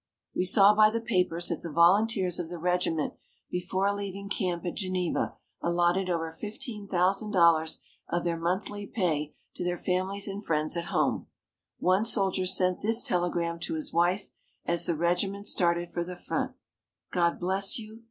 We saw by the papers that the volunteers of the regiment before leaving camp at Geneva allotted over $15,000 of their monthly pay to their families and friends at home. One soldier sent this telegram to his wife, as the regiment started for the front: "God bless you.